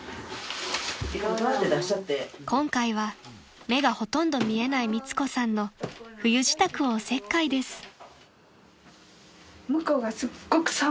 ［今回は目がほとんど見えない美津子さんの冬支度をおせっかいです］